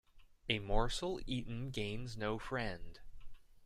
A morsel eaten gains no friend.